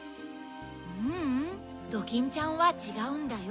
ううんドキンちゃんはちがうんだよ。